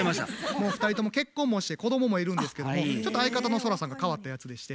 もう２人とも結婚もして子供もいるんですけどもちょっと相方の空さんが変わったやつでして。